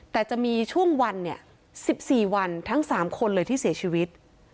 แต่จะมีช่วงวันเนี่ย๑๔วันทั้ง๓คนเลยที่เสียชีวิต